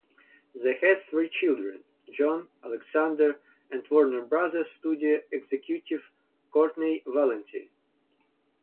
They had three children: John, Alexandra and Warner Brothers studio executive Courtenay Valenti.